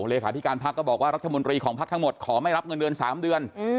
เลขาธิการพักก็บอกว่ารัฐมนตรีของพักทั้งหมดขอไม่รับเงินเดือน๓เดือน